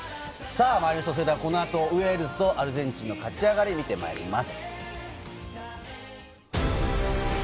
この後、ウェールズとアルゼンチンの勝ち上がりを見てまいります。